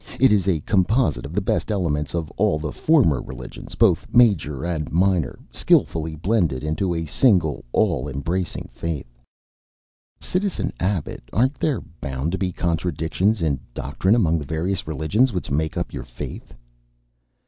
It is a composite of the best elements of all the former religions, both major and minor, skillfully blended into a single all embracing faith." "Citizen Abbot, aren't there bound to be contradictions in doctrine among the various religions which make up your faith?"